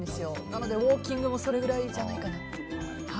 だからウォーキングもそれぐらいじゃないかなと。